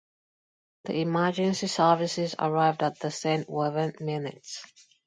The emergency services arrived at the scene within minutes.